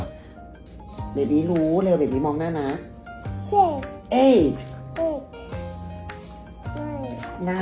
เดี๋ยวดีรู้เร็วเดี๋ยวดีมองหน้านะ